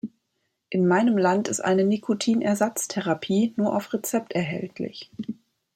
In meinem Land ist eine Nikotinersatztherapie nur auf Rezept erhältlich.